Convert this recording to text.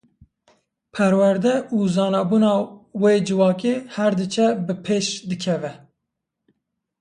Perwerde û zanabûna wê civakê her diçe bi pêş dikeve.